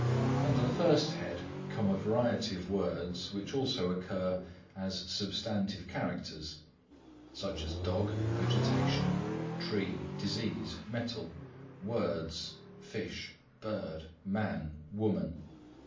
Under the first head come a variety of words, which also occur as substantive characters, such as dog, vegetation, tree, disease, metal, words, fish, bird, man, woman.